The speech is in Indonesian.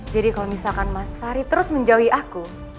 jadi kalau misalkan mas fahri terus menjauhi aku